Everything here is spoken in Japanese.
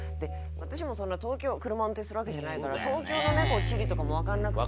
私もそんな東京車運転するわけじゃないから東京の地理とかもわからなくて。